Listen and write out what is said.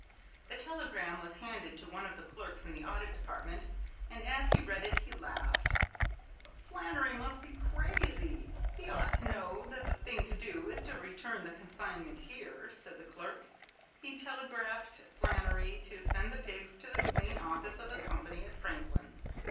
The telegram was handed to one of the clerks in the Audit Department, and as he read it he laughed. "Flannery must be crazy. He ought to know that the thing to do is to return the consignment here," said the clerk. He telegraphed Flannery to send the pigs to the main office of the company at Franklin.